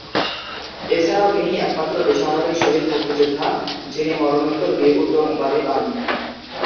এছাড়া তিনিই একমাত্র বেসামরিক শহীদ মুক্তিযোদ্ধা, যিনি ‘মরণোত্তর বীর উত্তম’ উপাধি পান।